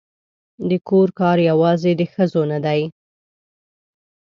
د کور کار یوازې د ښځو نه دی